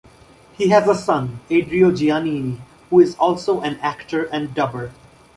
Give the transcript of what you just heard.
He has a son, Adriano Giannini, who is also an actor and dubber.